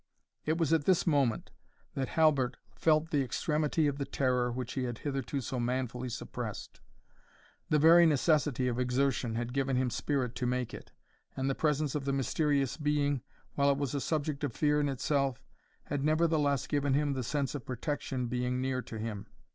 It was at this moment that Halbert felt the extremity of the terror which he had hitherto so manfully suppressed. The very necessity of exertion had given him spirit to make it, and the presence of the mysterious Being, while it was a subject of fear in itself, had nevertheless given him the sense of protection being near to him.